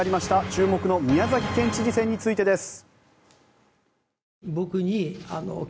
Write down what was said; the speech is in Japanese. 注目の宮崎県知事選についてです。